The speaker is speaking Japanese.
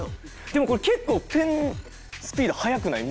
でもこれ結構ペンスピード速くない？